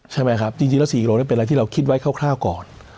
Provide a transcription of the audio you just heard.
จริงแล้ว๔กิโลเมตรเป็นอะไรที่เราคิดไว้คร่าวก่อน